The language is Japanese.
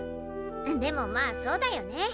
でもまあそうだよね。